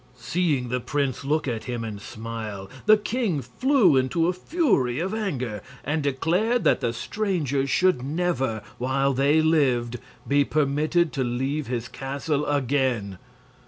Seeing the prince look at him and smile, the king flew into a fury of anger and declared that the strangers should never, while they lived, be permitted to leave his castle again.